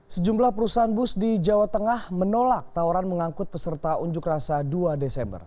sejumlah perusahaan bus di jawa tengah menolak tawaran mengangkut peserta unjuk rasa dua desember